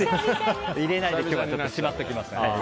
入れないで今日は、しまっておきます。